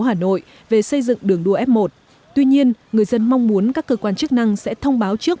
hà nội về xây dựng đường đua f một tuy nhiên người dân mong muốn các cơ quan chức năng sẽ thông báo trước